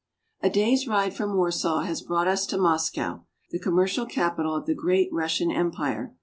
A DAY'S ride from Warsaw has brought us to Moscow, the commercial capital of the great Russian Empire.